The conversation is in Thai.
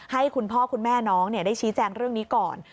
ให้คุณพ่อคุณแม่น้องได้ชี้แจงเรื่องนี้ก่อน